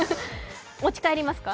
持ち帰りますか？